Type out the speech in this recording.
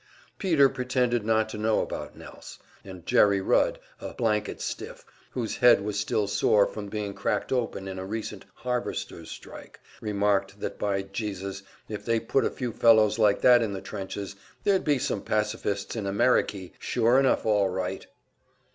Peter pretended not to know about Nelse; and Jerry Rudd, a "blanket stiff" whose head was still sore from being cracked open in a recent harvesters' strike, remarked that by Jesus, if they'd put a few fellows like that in the trenches, there'd be some pacifists in Ameriky sure enough all right.